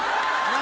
何？